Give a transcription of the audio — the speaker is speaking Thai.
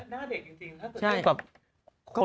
น่าเด็กจริงน่าเกิดดีกว่า